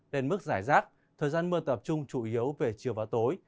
đến mức rải rác thời gian mưa tập trung chủ yếu về chiều và tối